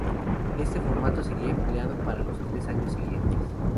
Este formato sería empleado para los tres años siguientes.